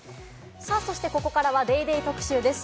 ここからはＤａｙＤａｙ．特集です。